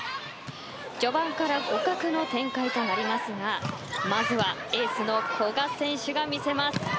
序盤から互角の展開となりますがまずはエースの古賀選手が見せます。